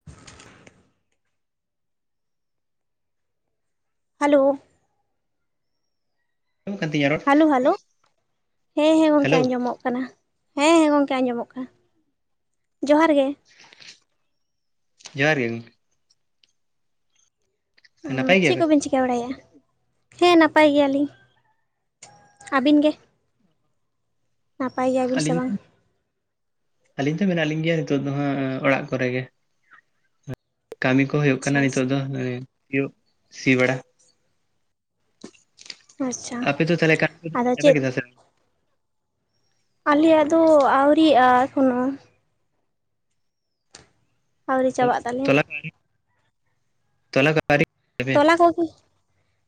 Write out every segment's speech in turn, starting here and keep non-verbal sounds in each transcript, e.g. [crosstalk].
[inaudible] Hello. [inaudible] ᱠᱟᱱ ᱛᱤᱧᱟ ᱨᱚᱲ? Hello hello. ᱦᱮᱸ ᱦᱮᱸ ᱜᱚᱢᱠᱮ ᱦᱮᱞᱳ ᱟᱸᱡᱚᱢᱚᱜ ᱠᱟᱱᱟ᱾ ᱦᱮᱸ ᱦᱮᱸ ᱜᱚᱢᱠᱮ ᱟᱸᱡᱚᱢᱚᱜ ᱠᱟᱱᱟ ᱾ᱡᱚᱦᱟᱨ ᱜᱮ᱾ ᱡᱚᱦᱟᱨ ᱜᱮ᱾ ᱱᱟᱯᱟᱭ ᱪᱮᱫ ᱜᱮᱭᱟᱵᱮᱱ ᱠᱚᱵᱤᱱ ᱪᱤ ᱮᱭᱟ ᱵᱟᱲᱟᱭ-ᱟ, ᱦᱮᱸ ᱱᱟᱯᱟᱭ ᱜᱮᱭᱟᱞᱤᱧ ᱾ᱟᱹᱵᱤᱱ ᱜᱮ? ᱱᱟᱯᱟᱭ ᱜᱮᱭᱟᱵᱤᱱ ᱥᱮ ᱟᱹᱞᱤᱧ, ᱵᱟᱝ ᱟᱹᱞᱤᱧ ᱛᱚ ᱢᱮᱱᱟᱜ ᱞᱤᱧ ᱜᱮᱭᱟ ᱱᱤᱛᱚᱜ ᱫᱚ ᱦᱟᱸᱜ ᱚᱲᱟᱜ ᱠᱚᱨᱮ ᱜᱮ᱾ ᱠᱟᱹᱢᱤ ᱠᱚ ᱦᱩᱭᱩᱜ ᱠᱟᱱᱟ ᱟᱪᱪᱷᱟ ᱱᱤᱛᱚᱜ ᱟᱪᱪᱷᱟ ᱫᱚ [inaudible] ᱥᱤᱭᱳᱜ ᱥᱤ ᱵᱟᱲᱟ ᱾ ᱟᱪᱪᱷᱟ ᱟᱯᱮ ᱫᱚ ᱛᱟᱦᱚᱞᱮ [inaudible] ᱟᱫᱚ ᱪᱟᱵᱟ ᱪᱮᱫ ᱠᱮᱫᱟ ᱥᱮ ᱵᱟᱝ? ᱟᱞᱮᱭᱟᱜ ᱫᱚ ᱟᱹᱣᱨᱤᱜ-ᱟ ᱮᱠᱷᱚᱱᱳ᱾ ᱟᱹᱣᱨᱤ ᱪᱟᱵᱟᱜ ᱛᱟᱞᱮᱭᱟ [inaudible] [unintelligible] ᱛᱚᱵᱮ? ᱛᱚᱞᱟ ᱠᱚᱜᱮ,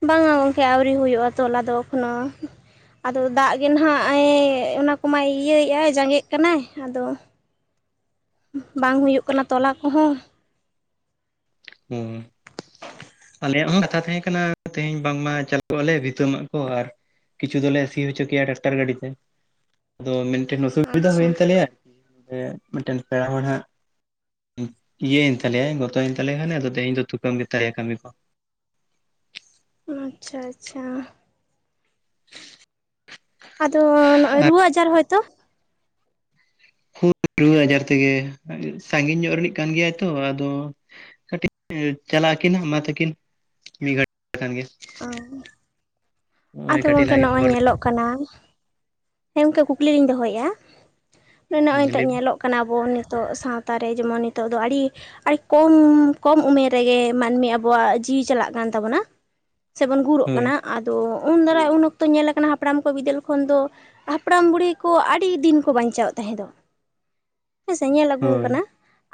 ᱵᱟᱝᱟ ᱜᱚᱢᱠᱮ ᱟᱹᱣᱨᱤ ᱦᱩᱭᱩᱜ-ᱟ ᱛᱚᱞᱟ ᱫᱚ ᱮᱠᱷᱚᱱᱳ᱾ ᱟᱫᱚ ᱫᱟᱜ ᱜᱮ ᱱᱟᱦᱟᱜ ᱮᱹᱭ ᱚᱱᱟ ᱠᱚᱢᱟᱭ ᱤᱭᱟᱹᱭᱮᱫ-ᱟᱭ ᱡᱟᱸᱜᱮᱜ ᱠᱟᱱᱟᱭ ᱟᱫᱚ [inaudible] ᱵᱟᱝ ᱦᱩᱭᱩᱜ ᱠᱟᱱᱟ ᱛᱚᱞᱟ ᱠᱚᱦᱚᱸ᱾ ᱦᱩᱸ᱾ ᱟᱞᱮᱭᱟᱜ ᱦᱚᱸ ᱠᱟᱛᱷᱟ ᱛᱟᱦᱮᱸ ᱠᱟᱱᱟ ᱛᱮᱦᱮᱧ ᱵᱟᱝ ᱢᱟ ᱪᱟᱞᱩᱜ ᱟᱞᱮ ᱵᱷᱤᱛᱟᱹ ᱢᱟᱜ ᱠᱚ ᱟᱨ ᱠᱤᱪᱷᱩ ᱫᱚᱞᱮ ᱥᱤ ᱦᱚᱪᱚ ᱠᱮᱭᱟ ᱴᱨᱟᱠᱴᱟᱨ ᱜᱟᱹᱰᱤ ᱛᱮ ᱟᱫᱚ ᱢᱮᱱᱴᱮᱱ ᱚᱥᱩᱵᱤᱫᱟ ᱟᱪᱪᱷᱟ ᱦᱩᱭᱮᱱ ᱛᱟᱞᱮᱭᱟ᱾ ᱢᱤᱫᱴᱮᱱ ᱯᱮᱲᱟ ᱦᱚᱲ ᱦᱟᱸᱜ ᱤᱭᱟᱹᱭᱮᱱ ᱛᱟᱞᱮᱭᱟᱭ ᱜᱚᱛᱚᱭᱮᱱ ᱛᱟᱞᱮ ᱦᱟᱞᱮ ᱟᱫᱚ ᱛᱮᱦᱮᱧ ᱫᱚ ᱛᱷᱩᱠᱟᱹᱢ ᱜᱮ ᱛᱟᱞᱮᱭᱟ ᱠᱟᱹᱢᱤ ᱠᱚ᱾ ᱚ ᱟᱪᱪᱷᱟ, ᱟᱪᱪᱷᱟ᱾ ᱟᱫᱚ ᱱᱚᱸᱜ-ᱚᱭ ᱟᱨ ᱨᱩᱣᱟᱹ ᱟᱡᱟᱨ ᱦᱳᱭ ᱛᱚ? ᱠᱷᱩᱜ ᱨᱩᱣᱟᱹ ᱟᱡᱟᱨ ᱛᱮᱜᱮ ᱥᱟᱸᱜᱤᱧ ᱧᱚᱜ ᱨᱤᱱᱤᱡ ᱠᱟᱱ ᱜᱮᱭᱟᱭ ᱛᱚ ᱟᱫᱚ ᱠᱟᱹᱴᱤᱡ ᱪᱟᱞᱟᱜ ᱟᱹᱠᱤᱱ ᱢᱟ ᱛᱟᱹᱠᱤᱱ ᱢᱤᱫ ᱜᱷᱟᱹᱲᱤᱡ ᱠᱷᱟᱱ ᱜᱮ᱾ ᱚ ᱱᱚᱜᱼᱚᱭ ᱟᱫᱚ ᱠᱟᱹᱴᱤᱡ ᱜᱚᱝᱠᱮ ᱞᱟᱦᱟ ᱜᱮ ᱱᱚᱸᱜ-ᱚᱭ ᱠᱷᱚᱵᱚᱨ ᱧᱮᱞᱚᱜ ᱠᱟᱱᱟ᱾ ᱦᱮᱸ ᱜᱚᱝᱠᱮ ᱠᱩᱠᱞᱤ ᱞᱤᱧ ᱫᱚᱦᱚᱭᱮᱜ-ᱟ ᱱᱚᱸᱜ-ᱚᱭ ᱞᱤᱧ ᱴᱟᱜ ᱞᱟᱹᱭ ᱧᱮᱞᱚᱜ ᱠᱟᱱᱟ ᱟᱵᱚ ᱱᱤᱛᱳᱜ ᱥᱟᱣᱛᱟ ᱨᱮ ᱡᱮᱢᱚᱱ ᱱᱤᱛᱳᱜ ᱫᱚ ᱟᱹᱲᱤ ᱟᱨ ᱠᱚᱢ ᱠᱚᱢ ᱩᱢᱮᱨ ᱨᱮᱜᱮ ᱢᱟᱹᱱᱢᱤ ᱟᱵᱚᱣᱟᱜ ᱡᱤᱣᱤ ᱪᱟᱞᱟᱜ ᱠᱟᱱ ᱛᱟᱵᱚᱱᱟ᱾ ᱥᱮ ᱵᱚᱱ ᱜᱩᱨᱩᱜ ᱦᱳᱭ ᱠᱟᱱᱟ᱾ ᱟᱫᱚ ᱩᱱ ᱫᱟᱨᱟᱭ ᱩᱱ ᱚᱠᱛᱚ ᱧᱮᱞ ᱠᱟᱱᱟ ᱦᱟᱯᱲᱟᱢ ᱠᱚ ᱵᱤᱫᱟᱹᱞ ᱠᱷᱚᱱ ᱫᱚ ᱦᱟᱯᱲᱟᱢ ᱵᱩᱲᱦᱤ ᱠᱚ ᱟᱹᱰᱤ ᱫᱤᱱ ᱠᱚ ᱵᱟᱧᱪᱟᱣ ᱛᱟᱦᱮᱸ ᱫᱚ᱾ ᱦᱮᱸᱥᱮ ᱧᱮᱞ ᱟᱹᱜᱩ ᱦᱳᱭ ᱠᱟᱱᱟ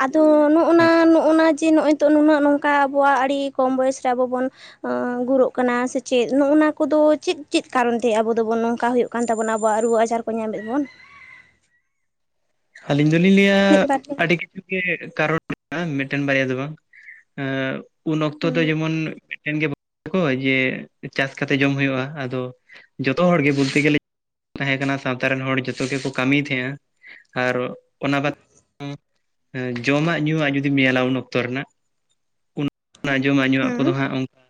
ᱟᱫᱚ ᱱᱚᱸᱜ-ᱱᱟ ᱱᱚᱸᱜ-ᱱᱟ ᱡᱮ ᱱᱚᱸᱜ-ᱚᱭ᱾ ᱱᱤᱛᱳᱜ ᱱᱩᱱᱟᱹᱜ ᱱᱚᱝᱠᱟ ᱟᱵᱚᱣᱟᱜ ᱟᱹᱰᱤ ᱠᱚᱢ ᱵᱚᱭᱮᱥ ᱨᱮ ᱟᱵᱚ ᱵᱚᱱ ᱟᱸᱻ ᱜᱩᱨᱚᱜ ᱠᱟᱱᱟ ᱥᱮᱪᱮᱫ ᱱᱚᱸᱜ-ᱱᱟ ᱠᱚᱫᱚ ᱪᱮᱫ ᱪᱮᱫ ᱠᱟᱨᱚᱱ ᱛᱮ ᱟᱵᱚ ᱫᱚᱵᱚᱱ ᱱᱚᱝᱠᱟ ᱦᱳᱭᱳᱜ ᱠᱟᱱ ᱛᱟᱵᱚᱱᱟ? ᱟᱵᱚᱣᱟᱜ ᱨᱩᱣᱟᱹ ᱟᱡᱟᱨ ᱠᱚ ᱧᱟᱢᱮᱫ ᱵᱚᱱ᱾ ᱟᱹᱞᱤᱧ ᱫᱩᱞᱤᱧ ᱞᱟᱹᱭ-ᱟ ᱢᱤᱫ ᱵᱟᱨ ᱦᱮᱸ ᱟᱹᱰᱤᱠ ᱠᱤᱪᱷᱩ ᱜᱮ ᱠᱟᱨᱚᱱ ᱢᱮᱱᱟᱜ-ᱟ ᱢᱤᱫᱴᱮᱱ ᱵᱟᱨᱭᱟ ᱫᱚ ᱵᱟᱝ ᱮᱸᱻ ᱩᱱ ᱚᱠᱛᱚ ᱫᱚ ᱡᱮᱢᱚᱱ ᱢᱤᱫᱴᱮᱱ ᱜᱮ ᱠᱚ ᱡᱮ ᱪᱟᱥ ᱠᱟᱛᱮ ᱡᱚᱢ ᱦᱳᱭᱳᱜ-ᱟ᱾ ᱟᱫᱚ ᱡᱚᱛᱚ ᱦᱚᱲ ᱜᱮ ᱵᱚᱞᱛᱮ ᱜᱮᱹᱞᱮ ᱛᱟᱦᱮᱸ ᱠᱟᱱᱟ ᱥᱟᱣᱛᱟ ᱨᱮᱱ ᱦᱚᱲ ᱡᱚᱛᱚ ᱜᱮᱠᱚ ᱠᱟᱹᱢᱤ ᱛᱟᱦᱮᱸᱜᱟ ᱟᱨ ᱚᱱᱟ ᱵᱟᱫᱽ ᱦᱮᱸ ᱡᱚᱢᱟᱜ ᱧᱩᱣᱟᱜ ᱡᱩᱫᱤᱢ ᱧᱮᱞᱟ ᱩᱱ ᱚᱠᱛᱚ ᱨᱮᱱᱟᱜ ᱩᱱ ᱚᱱᱟ ᱡᱚᱢᱟᱜ ᱧᱩᱣᱟᱜ ᱠᱚᱫᱚ ᱦᱮᱸ ᱦᱟᱸᱜ ᱚᱱᱠᱟ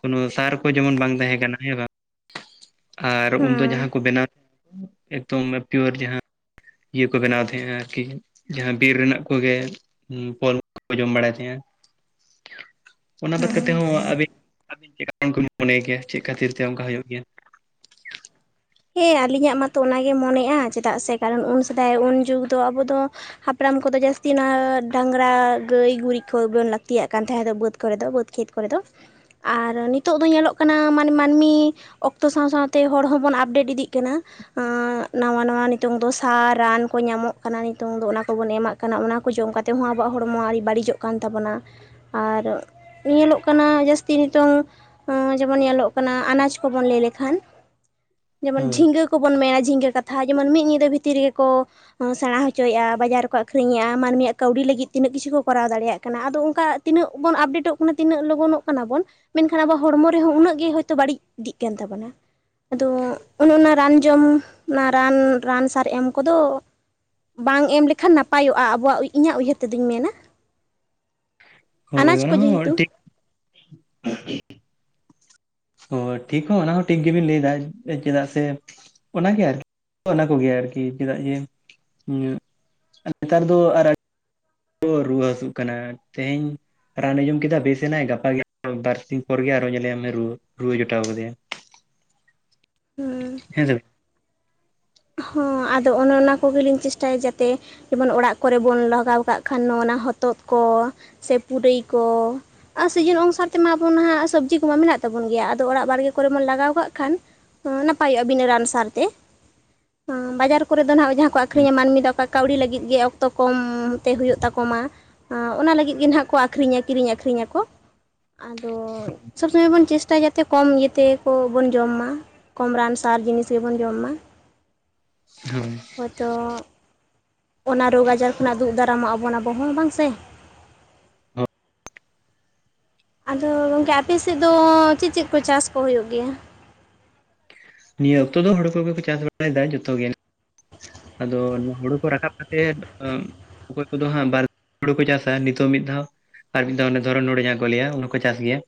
ᱠᱳᱱᱳ ᱥᱟᱨ ᱠᱚ ᱡᱮᱢᱚᱱ ᱵᱟᱝ ᱛᱟᱦᱮᱸ ᱠᱟᱱᱟ ᱦᱮᱸ ᱵᱟᱝ᱾ ᱟᱨ ᱩᱱᱫᱚ ᱦᱮᱸ ᱡᱟᱦᱟ ᱠᱚ ᱵᱮᱱᱟᱣ ᱮᱠᱫᱚᱢ ᱯᱤᱭᱳᱨ ᱡᱟᱦᱟ ᱤᱭᱟᱹ ᱠᱚ ᱵᱮᱱᱟᱣ ᱛᱟᱦᱮᱸᱜ-ᱟ ᱟᱨᱠᱤ ᱡᱟᱦᱟ ᱵᱤᱨ ᱨᱮᱱᱟᱜ ᱠᱚᱜᱮ᱾ ᱦᱩᱸ ᱯᱷᱚᱞ ᱠᱚ ᱡᱚᱢ ᱵᱟᱲᱟᱭ ᱛᱟᱦᱮᱜ-ᱟ᱾ ᱚᱱᱟ ᱵᱟᱫᱽ ᱠᱟᱛᱮ ᱦᱚᱸ ᱟᱹᱵᱤᱱ ᱟᱹᱵᱤᱱ ᱪᱮᱠᱟ [inaudible] ᱢᱚᱱᱮᱭ ᱜᱮᱭᱟ ᱪᱮᱫ ᱠᱷᱟᱹᱛᱤᱨ ᱛᱮ ᱚᱱᱠᱟ ᱦᱳᱭᱳᱜ ᱜᱮᱭᱟ? ᱦᱮᱸ ᱟᱹᱞᱤᱧᱟᱜ ᱢᱟᱛᱚ ᱚᱱᱟᱜᱮ ᱢᱚᱱᱮᱜ-ᱟ᱾ ᱪᱮᱫᱟᱜ ᱥᱮ ᱠᱟᱨᱚᱱ ᱩᱱ ᱥᱮᱫᱟᱭ ᱩᱱ ᱡᱩᱜᱽ ᱫᱚ ᱟᱵᱚ ᱫᱚ᱾ ᱦᱟᱯᱲᱟᱢ ᱠᱚᱫᱚ ᱡᱟᱹᱥᱛᱤ ᱚᱱᱟ ᱰᱟᱝᱨᱟ, ᱜᱟᱹᱭ ᱜᱩᱨᱤᱡ ᱠᱷᱚᱵᱚᱱ ᱞᱟᱹᱠᱛᱤᱭᱟᱜ ᱠᱟᱱ ᱛᱟᱦᱮᱸᱫ ᱫᱚ ᱵᱟᱹᱫᱽ ᱠᱚᱨᱮ ᱫᱚ᱾ ᱵᱟᱹᱫᱽ ᱠᱷᱮᱛ ᱠᱚᱨᱮ ᱫᱚ᱾ ᱟᱨ ᱱᱤᱛᱳᱜ ᱫᱚ ᱧᱮᱞᱚᱜ ᱠᱟᱱᱟ ᱢᱟᱱ ᱢᱟᱹᱱᱢᱤ ᱚᱠᱛᱚ ᱥᱟᱣ ᱥᱟᱣᱛᱮ ᱦᱚᱲ ᱦᱚᱸᱵᱚᱱ ᱟᱯᱰᱮᱴ ᱤᱫᱤᱜ ᱠᱟᱱᱟ᱾ ᱟᱸᱻ ᱱᱟᱣᱟ, ᱱᱟᱣᱟ ᱱᱤᱛᱚᱝ ᱫᱚ ᱥᱟᱨ, ᱨᱟᱱ ᱠᱚ ᱧᱟᱢᱚᱜ ᱠᱟᱱᱟ᱾ ᱱᱤᱛᱚᱝ ᱫᱚ ᱚᱱᱟ ᱠᱚᱵᱚᱱ ᱮᱢᱟᱜ ᱠᱟᱱᱟ ᱾ᱚᱱᱟ ᱠᱚ ᱡᱚᱢ ᱠᱟᱛᱮ ᱦᱚᱸ ᱟᱵᱚᱣᱟᱜ ᱦᱚᱲᱢᱚ ᱟᱹᱨᱤ ᱵᱟᱹᱲᱤᱡᱚᱜ ᱠᱟᱱ ᱛᱟᱵᱚᱱᱟ᱾ ᱟᱨ ᱧᱮᱞᱚᱜ ᱠᱟᱱᱟ ᱾ᱡᱟᱹᱥᱛᱤ ᱱᱤᱛᱚᱝ ᱡᱮᱢᱚᱱ ᱧᱮᱞᱚᱜ ᱠᱟᱱᱟ ᱟᱱᱟᱡᱽ ᱠᱚᱵᱚᱱ ᱞᱟᱹᱭ ᱞᱮᱠᱷᱟᱱ᱾ ᱡᱮᱢᱚᱱ ᱡᱷᱤᱝᱜᱟᱹ ᱠᱚᱵᱚᱱ ᱢᱮᱱᱟ ᱡᱷᱤᱝᱜᱟᱹ ᱠᱟᱛᱷᱟ ᱡᱮᱢᱚᱱ ᱢᱤᱫ ᱧᱤᱫᱟᱹ ᱵᱷᱤᱛᱤᱨ ᱨᱮᱜᱮ ᱠᱚ ᱦᱚᱸ ᱥᱮᱲᱟ ᱦᱚᱪᱚᱭᱮᱜ-ᱟ ᱵᱟᱡᱟᱨ ᱨᱮᱠᱚ ᱟᱹᱠᱷᱨᱤᱧ ᱮᱜ-ᱟ᱾ ᱢᱟᱹᱱᱢᱤᱭᱟᱜ ᱠᱟᱹᱣᱰᱤ ᱞᱟᱹᱜᱤᱫ ᱛᱤᱱᱟᱹᱜ ᱠᱤᱪᱷᱩ ᱠᱚ ᱠᱚᱨᱟᱣ ᱫᱟᱲᱮᱭᱟᱜ ᱠᱟᱱᱟ᱾ ᱟᱫᱚ ᱚᱱᱠᱟ ᱛᱤᱱᱟᱹᱜ ᱵᱚᱱ ᱟᱯᱰᱮᱴᱚᱜ ᱠᱟᱱᱟ ᱛᱤᱱᱟᱹᱜ ᱞᱚᱜᱚᱱᱚᱜ ᱠᱟᱱᱟ ᱵᱚᱱ᱾ ᱢᱮᱱᱠᱷᱟᱱ ᱟᱵᱚ ᱦᱚᱲᱢᱚ ᱨᱮᱦᱚᱸ ᱩᱱᱟᱹᱜ ᱜᱮ ᱦᱳᱭ ᱛᱚ ᱵᱟᱹᱲᱤᱡ ᱤᱫᱤᱜ ᱠᱟᱱ ᱛᱟᱵᱚᱱᱟ᱾ᱟᱫᱚ ᱚᱱᱚ ᱚᱱᱟ ᱨᱟᱱ ᱡᱚᱢ ᱚᱱᱟ ᱨᱟᱱ, ᱨᱟᱱ ᱥᱟᱨ ᱮᱢ ᱠᱚᱫᱚ ᱵᱟᱝ ᱮᱢ ᱞᱮᱠᱷᱟᱱ ᱱᱟᱯᱟᱭᱚᱜ-ᱟ ᱟᱵᱚᱣᱟᱜ ᱩᱭ ᱤᱧᱟᱹᱜ ᱩᱭᱦᱟᱹᱨ ᱛᱮ ᱫᱚᱧ ᱢᱮᱱᱟ᱾ [inaudible] ᱟᱱᱟᱡᱽ ᱚᱱᱟ ᱠᱚ ᱡᱮᱦᱮᱛᱩᱼᱼ ᱦᱚᱸ ᱴᱷᱤᱠ ᱚ ᱴᱷᱤᱠ ᱦᱚᱸ ᱚᱱᱟ ᱦᱚᱸ ᱴᱷᱤᱠ ᱜᱮᱵᱤᱱ ᱞᱟᱹᱭᱫᱟ ᱪᱮᱫᱟᱜ ᱥᱮᱼᱼ ᱚᱱᱟ ᱜᱮ ᱟᱨᱠᱤ ᱚᱱᱟ ᱠᱚᱜᱮ ᱟᱨᱠᱤ ᱪᱮᱫᱟᱜ ᱡᱮ [inaudible] ᱱᱮᱛᱟᱨ ᱫᱚ ᱟᱨ [unintelligible] ᱠᱚ ᱨᱩᱣᱟᱹ ᱦᱟᱹᱥᱩᱜ ᱠᱟᱱᱟ ᱛᱮᱦᱮᱧᱼᱼ ᱨᱟᱱ ᱮ ᱡᱚᱢ ᱠᱮᱫᱟ ᱵᱮᱥ ᱮᱱᱟᱭ ᱜᱟᱯᱟ ᱜᱮ [inaudible] ᱵᱟᱨ ᱥᱤᱧ ᱯᱚᱨ ᱜᱮ ᱟᱨᱚ ᱧᱮᱞᱮ ᱢᱮ ᱨᱩᱣᱟᱹ ᱨᱩᱣᱟᱹ ᱡᱚᱴᱟᱣ ᱠᱟᱫᱮᱭᱟ᱾ ᱦᱩᱸ ᱦᱮᱸ ᱥᱮ ᱵᱟᱝ? ᱦᱚᱸ ᱟᱫᱚ ᱚᱱᱮ ᱚᱱᱟ ᱠᱚᱜᱮᱞᱤᱧ ᱪᱮᱥᱴᱟᱭᱟ ᱡᱟᱛᱮᱼᱼ ᱡᱮᱢᱚᱱ ᱚᱲᱟᱜ ᱠᱚᱨᱮ ᱵᱚᱱ ᱞᱟᱜᱟᱣ ᱠᱟᱜ ᱠᱷᱟᱱ ᱚᱱᱟ ᱦᱚᱛᱚᱫ ᱠᱚ ᱥᱮ ᱯᱩᱨᱟᱹᱭ ᱠᱚᱼᱼ ᱟ ᱥᱤᱡᱤᱱ ᱚᱱᱩᱥᱟᱨ ᱛᱮᱢᱟ ᱟᱵᱚ ᱱᱟᱦᱟᱜ ᱥᱚᱵᱽᱡᱤ ᱠᱚᱢᱟ ᱢᱮᱱᱟᱜ ᱛᱟᱵᱚᱱ ᱜᱮᱭᱟ ᱟᱫᱚ ᱚᱲᱟᱜ ᱵᱟᱲᱜᱮ ᱠᱚᱨᱮ ᱵᱚᱱ ᱞᱟᱜᱟᱣ ᱠᱟᱜ ᱠᱷᱟᱱᱼᱼ ᱱᱟᱯᱟᱭᱚᱜ-ᱟ ᱵᱤᱱᱟ ᱨᱟᱱ ᱥᱟᱨ ᱛᱮ᱾ ᱦᱩᱸ ᱵᱟᱡᱟᱨ ᱠᱚᱨᱮ ᱫᱚ ᱱᱟᱜ ᱡᱟᱦᱟᱸ ᱠᱚ ᱟᱹᱠᱷᱨᱤᱧᱟ ᱢᱟᱹᱱᱢᱤ ᱫᱚ ᱚᱠᱟ ᱠᱟᱹᱣᱰᱤ ᱞᱟᱹᱜᱤᱫ ᱜᱮ᱾ ᱛᱚ ᱠᱚᱢ ᱛᱮ ᱦᱩᱭᱩᱜ ᱛᱟᱠᱚ ᱢᱟ ᱚᱱᱟ ᱞᱟᱹᱜᱤᱫ ᱜᱮ ᱱᱟᱜ ᱠᱚ ᱟᱹᱠᱷᱨᱤᱧᱟ ᱠᱤᱨᱤᱧ ᱟᱹᱠᱷᱨᱤᱧᱟ ᱠᱚ᱾ ᱟᱫᱚ ᱥᱚᱵ ᱥᱚᱢᱚᱭ ᱵᱚᱱ ᱪᱮᱥᱴᱟᱭᱟ ᱡᱟᱛᱮ ᱠᱚᱢ ᱤᱭᱟᱹ ᱛᱮ ᱠᱚ ᱵᱚᱱ ᱡᱚᱢ ᱢᱟ᱾ ᱠᱚᱢ ᱨᱟᱱ ᱥᱟᱨ ᱡᱤᱱᱤᱥ ᱜᱮᱵᱚᱱ ᱡᱚᱢ ᱢᱟ᱾ ᱦᱩᱸ ᱦᱚᱭᱛᱚ ᱚᱱᱟ ᱨᱳᱜᱽ ᱟᱡᱟᱨ ᱠᱷᱚᱱᱟᱜ ᱫᱩᱜ ᱫᱟᱨᱟᱢᱚᱜ ᱟᱵᱚᱱ ᱟᱵᱚ ᱦᱚᱸ ᱵᱟᱝ ᱥᱮ? ᱦᱳᱭ ᱟᱫᱚ ᱜᱚᱝᱠᱮ ᱟᱯᱮ ᱥᱤᱫ ᱫᱚ ᱪᱮᱫ ᱪᱮᱫ ᱠᱚ ᱪᱟᱥ ᱠᱚ ᱦᱳᱭᱳᱜ ᱜᱮᱭᱟ? ᱱᱤᱭᱟᱹ ᱚᱠᱛᱚ ᱫᱚ ᱦᱳᱲᱳ ᱠᱚᱜᱮ ᱠᱚ ᱪᱟᱥ ᱵᱟᱲᱟᱭ ᱫᱟ ᱡᱚᱛᱚ ᱜᱮ᱾ ᱟᱫᱚ ᱱᱚ ᱦᱳᱲᱳ ᱠᱚ ᱨᱟᱠᱟᱵ ᱠᱟᱛᱮᱫᱼᱼ ᱚᱠᱚᱭ ᱠᱚᱫᱚ ᱦᱟᱸᱜ ᱵᱟᱨ [inaudible] ᱦᱩᱲᱩ ᱠᱚ ᱪᱟᱥᱟ ᱱᱤᱛᱚᱜ ᱢᱤᱫ ᱫᱷᱟᱣᱼᱼ ᱟᱨ ᱢᱤᱫ ᱫᱷᱟᱣ ᱚᱱᱮ ᱫᱷᱚᱨᱚᱱ ᱦᱳᱲᱳ ᱡᱟᱦᱟ ᱠᱚ ᱞᱟᱹᱭᱟ ᱚᱱᱟ ᱠᱚ ᱪᱟᱥ ᱜᱮᱭᱟ᱾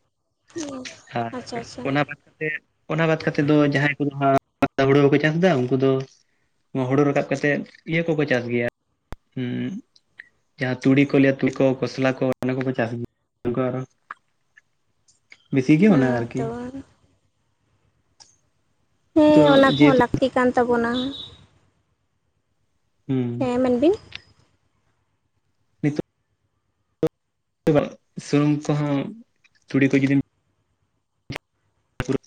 ᱟᱪᱪᱷᱟ ᱟᱪᱪᱷᱟ [unintelligible] ᱚᱱᱟ ᱵᱟᱛ ᱠᱟᱛᱮ ᱚᱱᱟ ᱵᱟᱛ ᱠᱟᱛᱮ ᱫᱚ ᱡᱟᱦᱟᱸᱭᱼᱼ [inaudible] ᱦᱩᱲᱩ ᱵᱟᱠᱚ ᱪᱟᱥ ᱫᱟ ᱩᱱᱠᱩ ᱫᱚᱼᱼ ᱱᱚᱣᱟ ᱦᱩᱲᱩ ᱨᱟᱠᱟᱵ ᱠᱟᱛᱮᱜ ᱤᱭᱟᱹ ᱠᱚᱠᱚ ᱪᱟᱥ ᱜᱮᱭᱟ ᱦᱩᱸᱼᱼ ᱡᱟᱦᱟᱸ ᱛᱩᱲᱤ ᱠᱚ ᱞᱟᱹᱭᱟ ᱛᱩᱲᱤ ᱠᱚ ᱠᱚᱥᱞᱟ ᱠᱚ ᱚᱱᱟ ᱠᱚ ᱠᱚ ᱪᱟᱥ ᱜᱮᱭᱟ᱾ ᱵᱤᱥᱤ ᱜᱮ ᱚᱱᱟ ᱟᱨ ᱦᱮᱸ ᱠᱤ᱾ ᱛᱚ ᱛᱚ ᱦᱮᱸ ᱚᱱᱟ ᱠᱚ ᱦᱚᱸ ᱡᱮᱦᱮᱛᱩ ᱞᱟᱹᱠᱛᱤ ᱠᱟᱱ ᱛᱟᱵᱚᱱᱟ᱾ ᱦᱩᱸ ᱦᱮᱸ ᱢᱮᱱ ᱵᱤᱱ ᱱᱤᱛᱚᱜ ᱥᱩᱱᱩᱢ ᱛᱮ ᱦᱚᱸ ᱛᱩᱲᱤ ᱛᱮ [unintelligible]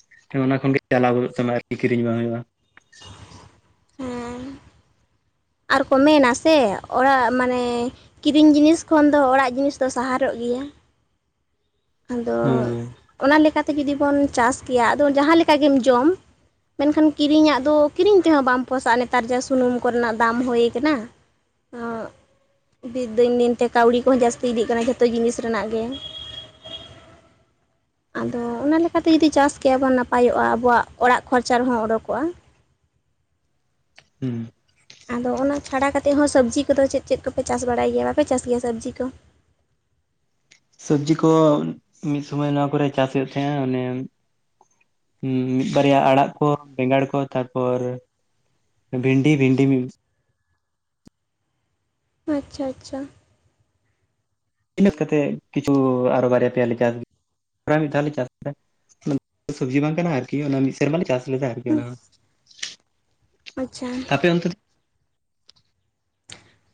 [inaudible] ᱚᱱᱟ ᱠᱷᱚᱱ ᱜᱮ ᱪᱟᱞᱟᱣ ᱜᱚᱫᱚᱜ ᱛᱟᱢᱟ ᱟᱨ ᱠᱤ ᱠᱤᱨᱤᱧ ᱵᱟᱝ ᱦᱳᱭᱳᱜᱼᱟ ᱦᱩᱸ ᱟᱨ ᱠᱚ ᱢᱮᱱᱟ ᱥᱮ ᱚᱲᱟᱜ ᱢᱟᱱᱮᱼᱼ ᱠᱤᱨᱤᱧ ᱡᱤᱱᱤᱥ ᱠᱷᱚᱱ ᱫᱚ ᱚᱲᱟᱜ ᱡᱤᱱᱤᱥ ᱫᱚ ᱥᱟᱦᱟᱨᱚᱜ ᱜᱮᱭᱟ᱾ ᱟᱫᱚ ᱦᱳᱭ ᱚᱱᱟ ᱞᱮᱠᱟᱛᱮ ᱡᱩᱫᱤ ᱵᱚᱱ ᱪᱟᱥ ᱠᱮᱭᱟ ᱟᱫᱚ ᱡᱟᱦᱟᱸ ᱞᱮᱠᱟ ᱜᱮᱢ ᱡᱚᱢ᱾ ᱢᱮᱱᱠᱷᱟᱱ ᱠᱤᱨᱤᱧᱟᱜ ᱫᱚ ᱠᱤᱨᱤᱧ ᱛᱮᱦᱚᱸ ᱵᱟᱢ ᱯᱚᱥᱟᱜᱟ ᱱᱮᱛᱟᱨ ᱡᱟ ᱥᱩᱱᱩᱢ ᱠᱚᱨᱮᱱᱟᱜ ᱫᱟᱢ ᱦᱳᱭ ᱠᱟᱱᱟ᱾ ᱚᱜ ᱫᱤᱱ ᱫᱤᱱ ᱛᱮ ᱠᱟᱹᱣᱲᱤ ᱠᱚᱦᱚᱸ ᱡᱟᱹᱥᱛᱤ ᱤᱫᱤᱜ ᱠᱟᱱᱟ ᱡᱷᱚᱛᱚ ᱡᱤᱱᱤᱥ ᱨᱮᱱᱟᱜ ᱜᱮ᱾ ᱟᱫᱚ ᱚᱱᱟ ᱞᱮᱠᱟᱛᱮ ᱡᱩᱫᱤ ᱪᱟᱥ ᱠᱮᱭᱟᱵᱚᱱ ᱱᱟᱯᱟᱭᱚᱜᱼᱟ ᱟᱵᱚᱣᱟᱜ ᱚᱲᱟᱜ ᱠᱷᱚᱨᱪᱟ ᱨᱮᱦᱚᱸ ᱚᱰᱳᱠᱚᱜᱼᱟ᱾ ᱦᱩᱸ ᱟᱫᱚ ᱚᱱᱟ ᱪᱷᱟᱲᱟ ᱠᱟᱛᱮᱫ ᱦᱚᱸ ᱥᱚᱵᱽᱡᱤ ᱠᱚ ᱫᱚ ᱪᱮᱫ ᱪᱮᱫ ᱠᱚᱯᱮ ᱪᱟᱥ ᱵᱟᱲᱟᱭ ᱜᱮᱭᱟ ᱵᱟᱯᱮ ᱪᱟᱥ ᱜᱮᱭᱟ ᱥᱚᱵᱽᱡᱤ ᱠᱚ? ᱥᱚᱵᱽᱡᱤ ᱠᱚ ᱢᱤᱫ ᱥᱳᱢᱳᱭ ᱱᱚᱣᱟ ᱠᱚᱨᱮ ᱪᱟᱥ ᱦᱳᱭᱳᱜ ᱛᱟᱦᱮᱸᱱᱟ ᱚᱱᱮᱼᱼ ᱢᱤᱫ ᱵᱟᱨᱭᱟ ᱟᱲᱟᱜ ᱠᱚ ᱵᱮᱸᱜᱟᱲ ᱠᱚ ᱛᱟᱨᱯᱚᱨᱼᱼ ᱵᱷᱤᱱᱰᱤ ᱵᱷᱤᱱᱰᱤ ᱟᱪᱪᱷᱟ ᱟᱪᱪᱷᱟ᱾ ᱤᱱᱟᱹᱜ ᱠᱟᱛᱮᱫ ᱠᱤᱪᱷᱩ ᱟᱨ ᱵᱟᱨᱭᱟ ᱯᱮᱭᱟ ᱞᱮᱠᱟᱼᱼ ᱯᱨᱟᱭ ᱢᱤᱫ ᱫᱷᱟᱣ ᱞᱮ ᱪᱟᱥ ᱛᱟᱦᱮᱫ [unintelligible] ᱥᱚᱵᱽᱡᱤ ᱵᱟᱝ ᱠᱟᱱᱟ ᱟᱨ ᱠᱤ ᱚᱱᱟ ᱢᱤᱫ ᱥᱮᱨᱢᱟᱞᱮ ᱪᱟᱥ ᱞᱮᱫᱟ ᱟᱨ ᱠᱤ ᱦᱩᱸ ᱚᱱᱟ ᱦᱚ᱾ ᱟᱪᱪᱷᱟ᱾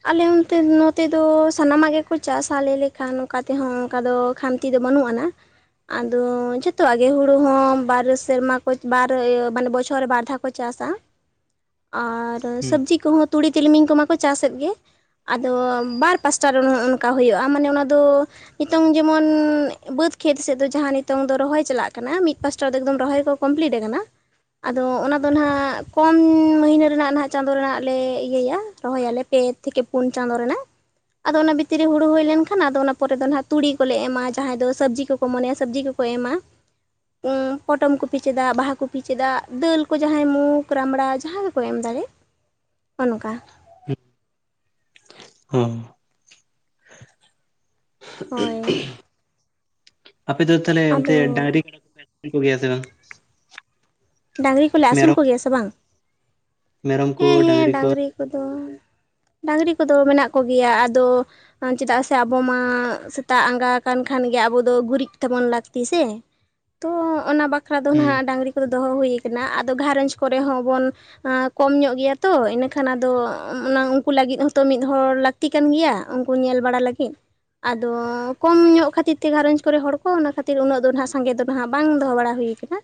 ᱟᱞᱮ ᱚᱱᱛᱮ ᱱᱚᱛᱮ ᱫᱚ ᱥᱟᱱᱟᱢᱟᱜ ᱜᱮ ᱠᱚ ᱪᱟᱥᱟ ᱞᱮ ᱞᱮᱠᱷᱟᱱ ᱚᱱᱠᱟ ᱛᱮᱦᱚᱸ ᱚᱱᱠᱟ ᱫᱚ ᱠᱷᱱ ᱛᱤ ᱫᱚ ᱵᱟᱹᱱᱩᱜ ᱟᱱᱟ᱾ ᱟᱫᱚ ᱡᱷᱚᱛᱚᱣᱟᱜ ᱜᱮ ᱦᱩᱲᱩ ᱦᱚᱸ ᱵᱟᱨ ᱥᱮᱨᱢᱟ ᱠᱚ ᱵᱟᱨ ᱤᱭᱟᱹ ᱢᱟᱱᱮ ᱵᱚᱪᱪᱷᱚᱨ ᱨᱮ ᱵᱟᱨ ᱫᱷᱟᱣ ᱠᱚ ᱪᱟᱥᱟ᱾ [inaudible] ᱟᱨ ᱦᱩᱸ ᱥᱚᱵᱽᱡᱤ ᱠᱚ ᱦᱚᱸ ᱛᱩᱲᱤ, ᱛᱤᱞᱢᱤᱧ ᱠᱚᱢᱟᱠᱚ ᱪᱟᱥᱮᱫ ᱜᱮ᱾ ᱟᱫᱚ ᱵᱟᱨ ᱯᱟᱥᱴᱟ ᱨᱮ ᱚᱱᱮ ᱚᱱᱠᱟ ᱦᱳᱭᱳᱜ-ᱟ ᱢᱟᱱᱮ ᱚᱱᱟ ᱫᱚ ᱦᱤᱛᱚᱝ ᱡᱮᱢᱚᱱ ᱵᱟᱹᱫᱽ ᱠᱷᱮᱛ ᱥᱮᱫ ᱫᱚ ᱡᱟᱦᱟᱸ ᱱᱤᱛᱚᱝ ᱫᱚ ᱨᱚᱦᱚᱭ ᱪᱟᱞᱟᱜ ᱠᱟᱱᱟ ᱢᱤᱫ ᱯᱟᱥᱴᱟ ᱫᱚ ᱮᱠᱫᱚᱢ ᱨᱚᱦᱚᱭ ᱠᱚ ᱠᱚᱢᱯᱞᱤᱴ ᱟᱠᱟᱱᱟ᱾ ᱟᱫᱚ ᱚᱱᱟ ᱫᱚ ᱱᱟᱦᱟᱸᱜ ᱠᱚᱢ ᱢᱟᱹᱦᱤᱱᱟᱹ ᱨᱮᱱᱟᱜ ᱱᱟᱦᱟᱸᱜ ᱪᱟᱸᱫᱳ ᱨᱮᱱᱟᱜ ᱞᱮ ᱤᱭᱟᱹᱭᱟ ᱨᱚᱦᱚᱭᱟᱞᱮ ᱯᱮ ᱛᱷᱮᱠᱮ ᱯᱳᱱ ᱪᱟᱸᱫᱳ ᱨᱮᱱᱟᱜ᱾ ᱟᱫᱚ ᱚᱱᱟ ᱵᱷᱤᱛᱤᱨ ᱨᱮ ᱦᱩᱲᱩ ᱦᱩᱭ ᱞᱮᱱᱠᱷᱟᱱ ᱟᱫᱚ ᱚᱱᱟ ᱯᱚᱨᱮ ᱫᱚ ᱱᱟᱦᱟᱸᱜ ᱛᱩᱲᱤ ᱠᱚᱞᱮ ᱮᱢᱟ ᱡᱟᱦᱟᱸᱭ ᱫᱚ ᱥᱚᱵᱽᱡᱤ ᱠᱚᱠᱚ ᱢᱚᱱᱮᱭᱟ ᱥᱚᱵᱽᱡᱤ ᱠᱚ ᱠᱚ ᱠᱚ ᱮᱢᱟ᱾ ᱩᱸ ᱯᱚᱴᱚᱢ ᱠᱚᱯᱤ ᱪᱮᱫᱟ, ᱵᱟᱦᱟ ᱠᱚᱯᱤ ᱪᱮᱫᱟᱜ, ᱫᱟᱹᱞ ᱠᱚ ᱡᱟᱦᱟᱸᱭ ᱢᱩᱠ, ᱨᱟᱢᱲᱟ ᱡᱟᱦᱟᱸ ᱠᱚ ᱮᱢ ᱫᱟᱲᱮᱜ ᱚᱱᱠᱟ‌ ᱦᱩᱸ᱾ ᱚ ᱦᱳᱭ᱾ ᱟᱯᱮ ᱫᱚ ᱛᱟᱞᱦᱮ ᱚᱱᱛᱮ ᱟᱫᱚ ᱰᱟᱝᱨᱤ [unintelligible] ᱠᱚᱜᱮᱟᱥᱮ ᱵᱟᱝ? ᱰᱟᱝᱨᱤ ᱠᱚᱞᱮ ᱟᱹᱥᱩᱞ ᱢᱮᱨᱚᱢ ᱠᱚᱜᱮᱭᱟ ᱥᱮ ᱵᱟᱝ? ᱢᱮᱨᱚᱢ ᱠᱚ ᱦᱮᱸ ᱦᱮᱸ ᱰᱟᱝᱨᱤ ᱠᱚ ᱠᱚᱫᱚ ᱰᱟᱝᱨᱤ ᱠᱚᱫᱚ ᱢᱮᱱᱟᱜ ᱠᱚᱜᱮᱭᱟ ᱟᱫᱚ ᱪᱮᱫᱟᱜ ᱥᱮ ᱟᱵᱚ ᱢᱟ ᱥᱮᱛᱟᱜ ᱟᱸᱜᱟ ᱟᱠᱟᱱ ᱠᱷᱟᱱ ᱜᱮ ᱟᱵᱚ ᱫᱚ ᱜᱩᱨᱤᱡ ᱛᱟᱵᱚᱱ ᱞᱟᱹᱠᱛᱤ ᱥᱮ᱾ ᱛᱚ ᱚᱱᱟ ᱵᱟᱠᱷᱨᱟ ᱫᱚᱱ ᱦᱩᱸ ᱟᱦᱟᱸᱜ ᱰᱟᱝᱨᱤ ᱠᱚᱫᱚ ᱫᱚᱦᱚ ᱦᱩᱭ ᱟᱠᱟᱱᱟ ᱟᱫᱚ ᱜᱷᱟᱨᱚᱸᱧᱡᱽ ᱠᱚᱨᱮ ᱦᱚᱸ ᱵᱚᱱ ᱠᱚᱢ ᱧᱚᱜ ᱜᱮᱭᱟ ᱛᱚ ᱤᱱᱟᱹᱠᱷᱟᱱ ᱟᱫᱚ ᱚᱱᱟ ᱩᱱᱠᱩ ᱞᱟᱹᱜᱤᱫ ᱦᱚᱸᱛᱚ ᱢᱤᱫᱦᱚᱲ ᱞᱟᱠ ᱞᱟᱹᱠᱛᱤ ᱠᱟᱱ ᱜᱮᱭᱟ ᱩᱱᱠᱩ ᱧᱮᱞ ᱵᱟᱲᱟ ᱞᱟᱹᱜᱤᱫ᱾ ᱟᱫᱚ ᱠᱚᱢ ᱧᱚᱜ ᱠᱷᱟᱹᱛᱤᱨ ᱛᱮ ᱜᱷᱟᱨᱚᱸᱧᱡᱽ ᱠᱚᱨᱮ ᱦᱚᱲ ᱠᱚ ᱚᱱᱟ ᱠᱷᱟᱹᱛᱤᱨ ᱩᱱᱟᱹᱜ ᱫᱚ ᱱᱟᱦᱟᱸᱜ ᱥᱟᱸᱜᱮ ᱫᱚ ᱱᱟᱦᱟᱸᱜ ᱵᱟᱝ ᱫᱚᱦᱚ ᱵᱟᱲᱟ ᱦᱩᱭ ᱠᱟᱱᱟ᱾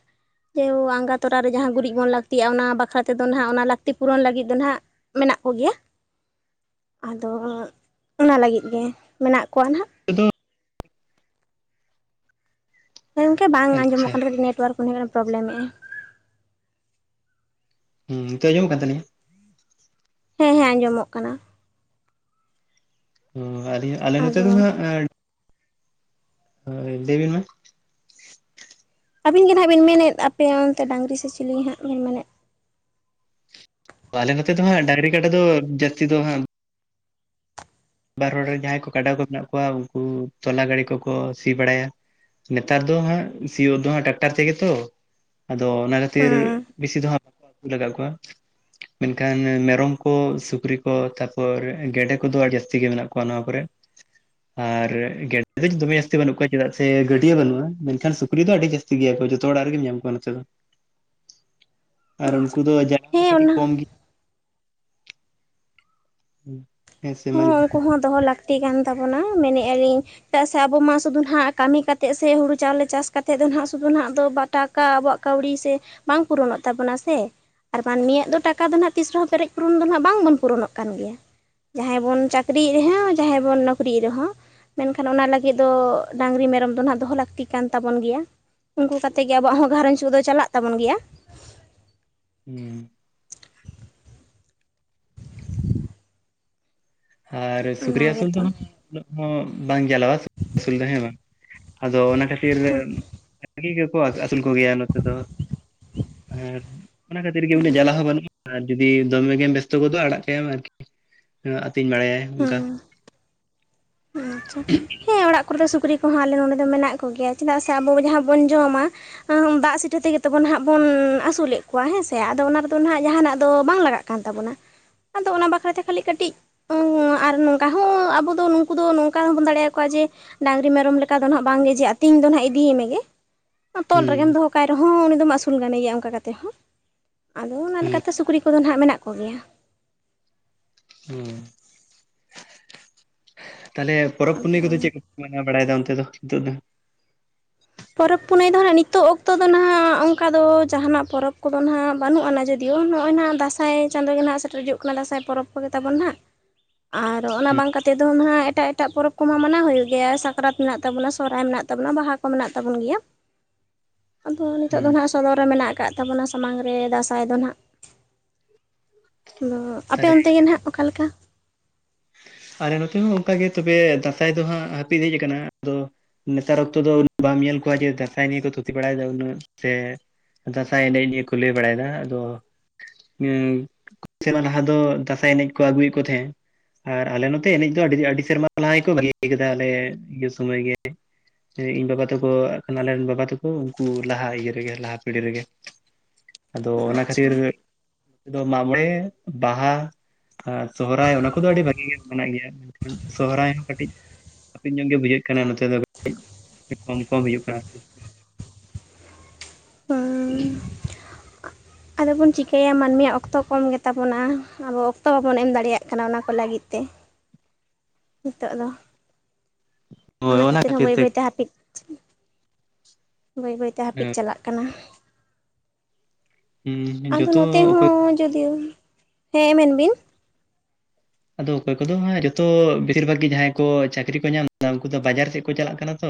[unintelligible] ᱟᱸᱜᱟ ᱛᱚᱨᱟ ᱨᱮ ᱡᱟᱦᱟᱸ ᱜᱩᱨᱤᱡ ᱵᱚᱱ ᱞᱟᱹᱠᱛᱤᱜ-ᱟ, ᱚᱱᱟ ᱵᱟᱠᱷᱨᱟ ᱛᱮᱫᱚ ᱱᱟᱦᱟᱸᱜ ᱚᱱᱟ ᱞᱟᱹᱠᱛᱤ ᱯᱩᱨᱚᱱ ᱞᱟᱹᱜᱤᱫ ᱫᱚ ᱱᱟᱦᱟᱸᱜ ᱢᱮᱱᱟᱜ ᱠᱚᱜᱮᱭᱟ ᱟᱫᱚ ᱚᱱᱟ ᱞᱟᱹᱜᱤᱫ ᱜᱮ ᱢᱮᱱᱟᱜ ᱠᱚᱣᱟ ᱱᱟᱦᱟᱸᱜ᱾ ᱟᱫᱚ ᱜᱚᱢᱠᱮ ᱵᱟᱝ ᱟᱸᱡᱚᱢᱚᱜ ᱟᱪᱪᱷᱟ ᱠᱟᱱ‌ [unintelligible] ᱱᱮᱴᱳᱣᱟᱨᱠ ᱠᱚ [unintelligible] ᱯᱨᱚᱵᱞᱮᱢᱮᱜ-ᱟᱭ᱾ ᱦᱩᱸ ᱱᱤᱛᱳ ᱟᱸᱡᱚᱢᱚᱜ ᱠᱟᱱ ᱛᱟᱞᱤᱧᱟ? ᱦᱮᱸ ᱦᱮᱸ ᱟᱸᱡᱚᱢᱚᱜ ᱠᱟᱱᱟ᱾ ᱚ ᱟᱞᱤᱧ ᱟᱞᱮ ᱱᱚᱛᱮ ᱟᱫᱚ ᱫᱚ ᱦᱟᱸᱜ ᱮᱸ ᱦᱳᱭ ᱞᱟᱹᱭ ᱵᱤᱱ ᱢᱟ? ᱟᱹᱵᱤᱱᱜᱮ ᱱᱟᱦᱟᱸᱜ ᱵᱤᱱ ᱢᱮᱱᱮᱫ ᱟᱯᱮ ᱚᱱᱛᱮ ᱰᱟᱝᱨᱤ ᱥᱮ ᱪᱤᱞᱤ ᱦᱟᱸᱜ ᱵᱤᱱ ᱢᱮᱱᱮᱫ? ᱟᱞᱮ ᱱᱚᱛᱮ ᱫᱚ ᱦᱟᱸᱜ ᱰᱟᱝᱨᱤ ᱠᱟᱰᱟ ᱫᱚ ᱡᱟᱹᱥᱛᱤ ᱫᱚ ᱦᱟᱸᱜ ᱵᱟᱨ ᱦᱚᱲ ᱨᱮᱱ ᱡᱟᱦᱟᱸᱭ ᱠᱚ ᱠᱟᱰᱟ ᱠᱚ ᱢᱮᱱᱟᱜ ᱠᱚᱣᱟ ᱩᱱᱠᱩ ᱛᱚᱞᱟ ᱜᱟᱹᱲᱤ ᱠᱚᱠᱚ ᱥᱤ ᱵᱟᱲᱟᱭᱟ᱾ ᱱᱮᱛᱟᱨ ᱫᱚ ᱦᱟᱸᱜ ᱥᱤᱭᱳᱜ ᱫᱚ ᱦᱟᱸᱜ ᱴᱟᱠᱴᱟᱨ ᱛᱮᱜᱮ ᱛᱚ᱾ ᱟᱫᱚ ᱚᱱᱟ ᱠᱷᱟᱹᱛᱤᱨ ᱦᱮᱸ ᱵᱮᱥᱤ ᱫᱚᱦᱟᱸᱜ [unintelligible] ᱞᱟᱜᱟᱣ ᱠᱚᱣᱟ᱾ ᱢᱮᱱᱠᱷᱟᱱ ᱢᱮᱨᱚᱢ ᱠᱚ ᱥᱩᱠᱨᱤ ᱠᱚ ᱛᱟᱨᱯᱚᱨ ᱜᱮᱰᱮᱸ ᱠᱚᱫᱚ ᱟᱹᱰᱤ ᱡᱟᱹᱥ ᱛᱤ ᱜᱮ ᱢᱮᱱᱟᱜ ᱠᱚᱣᱟ ᱱᱚᱣᱟ ᱠᱚᱨᱮ ᱾ ᱟᱨ ᱜᱮᱰᱮ ᱫᱚ ᱫᱚᱢᱮ ᱡᱟᱹᱥᱛᱤ ᱵᱟᱹᱱᱩᱜ ᱠᱚᱣᱟ ᱪᱮᱫᱟᱜ ᱥᱮ ᱜᱟᱹᱰᱭᱟᱹ ᱵᱟᱹᱱᱩᱜᱼᱟ ᱢᱮᱱᱠᱷᱟᱱ ᱥᱩᱠᱨᱤ ᱫᱚ ᱟᱹᱰᱤ ᱡᱟᱹᱥ ᱛᱤ ᱜᱮᱭᱟ ᱡᱚᱛᱚ ᱚᱲᱟᱜ ᱨᱮᱜᱮᱢ ᱧᱟᱢ ᱠᱚᱣᱟ ᱱᱚᱛᱮ ᱫᱚ ᱾ ᱟᱨ ᱩᱱᱠᱩ ᱫᱚ ᱡᱟᱞᱟ ᱦᱚᱸ ᱦᱮᱸ ᱠᱟᱹᱴᱤᱡ ᱚᱱᱟ ᱠᱚᱢ ᱜᱮ ᱾ ᱦᱮᱸ ᱥᱮ ᱢ ᱦᱚᱸ ᱩᱱᱠᱩ [unintelligible] ᱦᱚᱸ ᱫᱚᱦᱚ ᱞᱟᱹᱠᱛᱤ ᱠᱟᱱ ᱛᱟᱵᱚᱱᱟ ᱢᱮᱱᱮ ᱟᱞᱤᱧ ᱪᱮᱫᱟᱜ ᱥᱮ ᱟᱵᱚ ᱢᱟ ᱥᱩᱫᱩ ᱱᱟᱸᱦᱜ ᱠᱟᱹᱢᱤ ᱠᱟᱛᱮᱜ ᱥᱮ ᱦᱩᱲᱩ ᱪᱟᱣᱞᱮ ᱪᱟᱥ ᱠᱟᱛᱮᱜ ᱫᱚ ᱱᱟᱦᱜ ᱥᱩᱫᱷᱩ ᱱᱟᱦᱜ ᱫᱚ ᱵᱟ ᱴᱟᱠᱟ ᱟᱵᱚᱣᱟᱜ ᱠᱟᱹᱣᱰᱤ ᱥᱮ ᱵᱟᱝ ᱯᱩᱨᱚᱱᱚᱜ ᱛᱟᱵᱚᱱᱟ ᱥᱮ ᱾ ᱟᱨ ᱢᱟᱱᱢᱤᱭᱟᱜ ᱫᱚ ᱴᱟᱠᱟ ᱫᱚ ᱱᱟᱦᱜ ᱛᱤᱥ ᱨᱮᱦᱚᱸ ᱯᱮᱨᱮᱡ ᱯᱩᱨᱚᱱ ᱫᱚ ᱱᱟᱦᱜ ᱵᱟᱝ ᱵᱚᱱ ᱯᱩᱨᱚᱱᱚᱜ ᱠᱟᱱ ᱜᱮᱭᱟ ᱾ ᱡᱟᱦᱟᱸᱭ ᱵᱚᱱ ᱪᱟᱹᱠᱨᱤᱭᱜ ᱨᱮᱦᱚᱸ ᱡᱟᱦᱟᱸᱭ ᱵᱚᱱ ᱱᱚᱠᱨᱤᱭᱮᱫ ᱨᱮᱦᱚᱸ ᱾ ᱢᱮᱱᱠᱷᱟᱱ ᱚᱱᱟ ᱞᱟᱹᱜᱤᱫ ᱫᱚ ᱰᱟᱝᱨᱤ ᱢᱮᱨᱚᱢ ᱫᱚ ᱱᱟᱸᱦᱜ ᱫᱚᱦᱚ ᱞᱟᱹᱠᱛᱤ ᱠᱟᱱ ᱛᱟᱵᱚᱱ ᱜᱮᱭᱟ ᱾ ᱩᱱᱠᱩ ᱠᱟᱛᱮᱜ ᱜᱮ ᱟᱵᱚᱣᱟᱜ ᱦᱚᱸ ᱜᱷᱟᱨᱚᱸᱧᱡᱽ ᱠᱚᱫᱚ ᱪᱟᱞᱟᱜ ᱛᱟᱵᱚᱱ ᱜᱮᱭᱟ ᱾ ᱦᱩᱸ ᱾ ᱟᱨ ᱚᱱᱟ ᱥᱩᱠᱨᱤ ᱟᱹᱥᱩᱞ ᱫᱚ ᱜᱮᱛᱚ ᱦᱟᱸᱜ ᱩᱱᱟᱹᱜ ᱦᱚᱸ ᱵᱟᱝ ᱡᱟᱞᱟᱣᱟ ᱾ [unintelligible] ᱟᱹᱥᱩᱞ ᱫᱚ ᱦᱮᱸ ᱵᱟᱝ? ᱟᱫᱚ ᱚᱱᱟ ᱠᱷᱟᱹᱛᱤᱨ ᱵᱷᱟᱹᱜᱤ ᱜᱮᱠᱚ ᱟ ᱟᱹᱥᱩᱞ ᱠᱚᱜᱮᱭᱟ ᱱᱚᱛᱮ ᱫᱚ ᱟᱨ ᱚᱱᱟ ᱠᱷᱟᱹᱛᱤᱨ ᱜᱮ ᱩᱱᱟᱹᱜ ᱡᱟᱞᱟ ᱦᱚᱸ ᱵᱟᱹᱱᱩᱜᱼᱟ ᱾ ᱟᱨ ᱡᱩᱫᱤ ᱫᱚᱢᱮ ᱜᱮᱢ ᱵᱮᱥᱛᱚ ᱜᱚᱫᱚᱜᱼᱟ ᱟᱲᱟᱜ ᱠᱟᱭᱟᱢ ᱟᱨᱠᱤ ᱾ [unintelligible] ᱟᱛᱤᱧ ᱵᱟᱲᱟᱭᱟᱭ ᱚᱱᱠᱟ ᱾ ᱦᱮᱸ ᱟᱪᱪᱷᱟ, ᱦᱮᱸ ᱚᱲᱟᱜ ᱠᱚᱨᱮ ᱫᱚ ᱥᱩᱠᱨᱤ ᱠᱚᱦᱚᱸ ᱟᱞᱮ ᱱᱚᱸᱰᱮ ᱫᱚ ᱢᱮᱱᱟᱜ ᱠᱚᱜᱮᱭᱟ ᱪᱮᱫᱟᱜ ᱥᱮ ᱟᱵᱚ ᱡᱟᱦᱟᱸ ᱵᱚᱱ ᱡᱚᱢᱟ ᱫᱟᱜ ᱥᱤᱴᱷᱟᱹ ᱛᱮᱜᱮ ᱛᱵᱚᱱ ᱦᱟᱸᱜ ᱵᱚᱱ ᱟᱹᱥᱩᱞᱮᱫ ᱠᱚᱣᱟ ᱦᱮᱸ ᱥᱮ? ᱟᱫᱚ ᱚᱱᱟ ᱨᱮᱫᱚ ᱱᱟᱦᱜ ᱡᱟᱦᱟᱱᱟᱜ ᱫᱚ ᱵᱟᱝ ᱞᱟᱜᱟᱜ ᱠᱟᱱ ᱛᱟᱵᱚᱱᱟ, ᱟᱫᱚ ᱚᱱᱟ ᱵᱟᱠᱷᱨᱟ ᱛᱮ ᱠᱷᱟᱹᱞᱤ ᱠᱟᱹᱴᱤᱡ ᱟᱨ ᱱᱚᱝᱠᱟ ᱦᱚᱸ ᱟᱵᱚ ᱫᱚ ᱩᱱᱠᱩ ᱫᱚ ᱱᱚᱝᱠᱟ ᱦᱚᱸᱵᱚᱱ ᱫᱟᱲᱮᱭᱟᱠᱚᱣᱟ ᱡᱮ ᱰᱟᱝᱨᱤ ᱢᱮᱨᱚᱢ ᱞᱮᱠᱟ ᱫᱚ ᱱᱟᱦᱜ ᱵᱟᱝᱜᱮ ᱡᱮ ᱟᱹᱛᱤᱧ ᱫᱚ ᱱᱟᱦᱜ ᱤᱫᱤᱭᱮ ᱢᱮᱜᱮ ᱾ ᱛᱚᱞ ᱨᱮᱜᱮᱢ ᱦᱩᱸ ᱫᱚᱦᱚ ᱠᱟᱭ ᱨᱮᱦᱚᱸ ᱩᱱᱤ ᱫᱚᱢ ᱟᱹᱥᱩᱞ ᱜᱟᱱᱮᱭᱟ ᱚᱱᱠᱟ ᱠᱟᱛᱮᱫ ᱦᱚᱸ ᱾ ᱟᱫᱚ ᱚᱱᱟ ᱦᱩᱸ ᱞᱮᱠᱟᱛᱮ ᱥᱩᱠᱨᱤ ᱠᱚᱫᱚ ᱱᱟᱦᱜ ᱢᱮᱱᱟᱜ ᱠᱚᱜᱮᱭᱟ ᱾ ᱦᱮᱸ [unintelligible] ᱛᱟᱦᱚᱞᱮ ᱯᱚᱨᱚᱵᱽ ᱯᱩᱱᱟᱹᱭ ᱠᱚᱫᱚ ᱪᱮᱫ ᱠᱚᱯᱮ ᱢᱟᱱᱟᱣ ᱵᱟᱲᱟᱭᱮᱫᱟ ᱚᱱᱛᱮ ᱫᱚ ᱱᱤᱛᱚᱜ ᱫᱚ? ᱯᱚᱨᱚᱵᱽ ᱯᱩᱱᱟᱹᱭ ᱫᱚ ᱦᱟᱸᱜ ᱱᱤᱛᱚᱜ ᱚᱠᱛᱚ ᱫᱚ ᱱᱟᱦᱟᱜ ᱚᱱᱠᱟ ᱫᱚ ᱡᱟᱦᱟᱱᱟᱜ ᱯᱚᱨᱚᱵᱽ ᱠᱚᱫᱚ ᱱᱟᱦᱜ ᱵᱟᱹᱱᱩᱜ ᱟᱱᱟ ᱫᱤᱭᱳ ᱱᱚᱜᱼᱚᱭ ᱱᱟᱜ ᱫᱟᱥᱟᱸᱭ ᱪᱟᱸᱫᱚ ᱜᱮ ᱱᱟᱦᱟᱜ ᱥᱮᱴᱮᱨ ᱦᱤᱡᱩᱜ ᱠᱟᱱᱟ ᱫᱟᱥᱟᱸᱭ ᱯᱚᱨᱚᱵᱽ ᱠᱚᱜᱮ ᱛᱟᱵᱚᱱ ᱱᱟᱦᱜ ᱾ [unintelligible] ᱟᱨ ᱚᱱᱟ ᱦᱩᱸ ᱵᱟᱝ ᱠᱟᱛᱮᱫ ᱫᱚ ᱱᱟᱦᱜ ᱮᱴᱟᱜ ᱮᱴᱟᱜ ᱯᱚᱨᱚᱵᱽ ᱠᱚᱢᱟ ᱢᱟᱱᱟᱣ ᱦᱩᱭᱩᱜ ᱜᱮᱭᱟ ᱥᱟᱠᱨᱟᱛ ᱢᱮᱱᱟᱜ ᱛᱟᱵᱚᱱᱟ, ᱥᱚᱦᱨᱟᱭ ᱛᱟᱵᱚᱱᱟ, ᱵᱟᱦᱟ ᱢᱮᱱᱟᱜ ᱛᱟᱵᱚᱱ ᱜᱮᱭᱟ, ᱟᱫᱚ ᱱᱤᱛ ᱦᱩᱸ ᱫᱚ ᱱᱟᱦᱜ ᱥᱚᱫᱚᱨ ᱨᱮ ᱢᱮᱱᱟᱜ ᱟᱠᱟᱫ ᱛᱟᱵᱚᱱᱟ ᱥᱟᱢᱟᱝ ᱨᱮ ᱫᱟᱸᱥᱟᱭ ᱫᱚ ᱱᱟᱦᱜ ᱾ ᱟᱫᱚ ᱟᱯᱮ ᱛᱟᱦᱚᱞᱮ ᱚᱱᱛᱮ ᱜᱮ ᱱᱟᱦᱜ ᱚᱠᱟ ᱞᱮᱠᱟ? ᱟᱞᱮ ᱱᱚᱛᱮ ᱦᱚᱸ ᱚᱱᱠᱟ ᱜᱮ, ᱛᱚᱵᱮ ᱫᱟᱸᱥᱟᱭ ᱫᱚ ᱦᱟᱸᱜ ᱦᱟᱹᱯᱤᱫ ᱟᱠᱟᱱᱟ ᱾ ᱟᱫᱚ ᱱᱮᱛᱟᱨ ᱚᱠᱛᱚ ᱫᱚ ᱵᱟᱢ ᱧᱮᱞ ᱠᱚᱣᱟ ᱡᱮ ᱫᱟᱸᱥᱟᱭ ᱱᱤᱭᱮ ᱠᱚ ᱛᱷᱩᱛᱤ ᱵᱟᱲᱟᱭᱮᱫᱟ ᱩᱱᱟᱹᱜ ᱥᱮ ᱫᱟᱥᱟᱭ ᱮᱱᱮᱡ ᱱᱤᱭᱟᱹ ᱠᱚ ᱞᱟᱹᱭ ᱵᱟᱲᱟᱭᱮᱫᱟ ᱾ ᱟᱫᱚ ᱦᱩᱸ [unintelligible] ᱥᱮᱨᱢᱟ ᱞᱟᱦᱟ ᱫᱚ ᱫᱟᱸᱥᱟᱭ ᱮᱱᱮᱡ ᱠᱚ ᱟᱹᱜᱩᱭᱮᱫ ᱠᱚ ᱛᱟᱦᱮᱸᱫᱟ ᱾ ᱟᱨ ᱟᱞᱮ ᱱᱚᱛᱮ ᱮᱱᱮᱡ ᱫᱚ ᱟᱹᱰᱤ ᱟᱹᱰᱤ ᱥᱮᱨᱢᱟ ᱞᱟᱦᱟ ᱜᱮᱠᱚ ᱵᱟᱹᱜᱤ ᱟᱠᱟᱫᱟ ᱟᱞᱮ ᱤᱭᱟᱹ ᱥᱚᱢᱚᱭ ᱜᱮ ᱾ ᱮᱸ ᱤᱧ ᱵᱟᱵᱟ ᱛᱮᱠᱚ ᱟᱜ ᱠᱷᱟᱱ ᱟᱞᱮ ᱨᱮᱱ ᱵᱟᱵᱟ ᱛᱟᱠᱚ ᱩᱱᱠᱩ ᱞᱟᱦᱟ ᱤᱭᱟᱹ ᱨᱮᱜᱮ ᱞᱟᱦᱟ ᱯᱤᱲᱦᱤ ᱨᱮᱜᱮ ᱾ ᱟᱫᱚ ᱚᱱᱟ ᱟᱪᱪᱷᱟ ᱠᱷᱟᱹᱛᱤᱨ ᱱᱤᱛᱚᱜ ᱫᱚ ᱢᱟᱜ ᱢᱚᱬᱮ, ᱵᱟᱦᱟ, ᱥᱚᱦᱨᱟᱭ ᱚᱱᱟ ᱠᱚᱫᱚ ᱟᱹᱰᱤ ᱵᱷᱟᱜᱤ ᱢᱮᱱᱟᱜ ᱜᱮᱭᱟ, ᱢᱮᱱᱠᱷᱟᱱ ᱥᱚᱦᱨᱟᱭ ᱦᱚᱸ ᱠᱟᱹᱴᱤᱡ ᱦᱟᱯᱮᱱ ᱧᱚᱜ ᱜᱮ ᱵᱩᱡᱷᱟᱹᱜ ᱠᱟᱱᱟ ᱱᱚᱛᱮ ᱫᱚ ᱠᱟᱹᱡ ᱠᱚᱢ ᱠᱚᱢ ᱦᱩᱭᱩᱜ ᱠᱟᱱᱟ ᱟᱨ ᱪᱮᱫ ᱾ ᱦᱩᱸ [inaudible] ᱟᱫᱚ ᱵᱚᱱ ᱪᱤᱠᱟᱹᱭᱟ ᱢᱟᱹᱱᱢᱤᱭᱟᱜ ᱚᱠᱛᱚ ᱠᱚᱢ ᱜᱮ ᱛᱟᱵᱚᱱᱟ, ᱟᱵᱚ ᱚᱠᱛᱚ ᱵᱟᱵᱚᱱ ᱮᱢ ᱫᱟᱲᱮᱭᱟᱜ ᱠᱟᱱᱟ ᱚᱱᱟ ᱠᱚ ᱞᱟᱹᱜᱤᱫ ᱛᱮ᱾ ᱱᱤᱛᱚᱜ ᱫᱚ, ᱚᱱᱟ ᱠᱷᱟᱹᱛᱤᱨ ᱦᱚᱸ ᱵᱟᱹᱭ ᱵᱟᱹᱭ ᱛᱮ ᱦᱟᱹᱯᱤᱫ ᱵᱟᱹᱭ ᱵᱟᱹᱭ ᱛᱮ ᱦᱟᱹᱯᱤᱫ ᱪᱟᱞᱟᱜ ᱠᱟᱱᱟ᱾ ᱟᱫᱚ ᱡᱚᱛᱚ ᱱᱚᱛᱮ ᱚᱠᱚᱭ ᱦᱚᱸ ᱡᱩᱫᱤ, ᱦᱮᱸ ᱢᱮᱱ ᱵᱤᱱ᱾ ᱟᱫᱚ ᱚᱠᱚᱭ ᱠᱚᱫᱚ ᱦᱟᱸᱜ ᱡᱚᱛᱚ ᱵᱮᱥᱤᱨ ᱵᱷᱟᱜᱽ ᱜᱮ ᱡᱟᱦᱟᱸᱭ ᱠᱚ ᱪᱟᱹᱠᱨᱤ ᱠᱚ ᱧᱟᱢ ᱮᱫᱟ ᱩᱱᱠᱩ ᱫᱚ ᱵᱟᱡᱟᱨ ᱥᱮᱫ ᱠᱚ ᱪᱟᱞᱟᱜ ᱠᱟᱱᱟ ᱛᱚ᱾